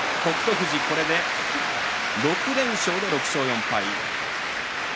富士、これで６連勝６勝４敗。